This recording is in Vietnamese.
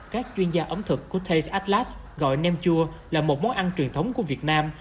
các chuyên gia ẩm thực của tech athlete gọi nêm chua là một món ăn truyền thống của việt nam